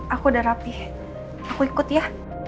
aku udah rapih aku ikut ya